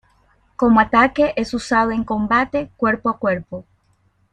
Como ataque es usado en combate cuerpo a cuerpo.